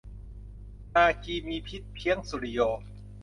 นาคีมีพิษเพี้ยง สุริโย